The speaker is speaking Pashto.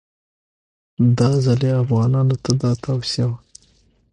دا ځل یې افغانانو ته دا توصیه وه.